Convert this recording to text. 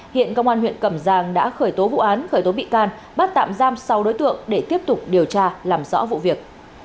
hiện công an huyện cẩm giang đã khởi tố vụ án khởi tố bị can bắt tạm giam sáu đối tượng để tiếp tục điều tra làm rõ vụ việc